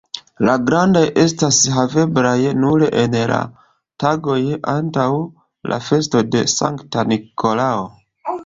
La grandaj estas haveblaj nur en la tagoj antaŭ la festo de Sankta Nikolao.